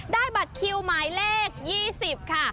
บัตรคิวหมายเลข๒๐ค่ะ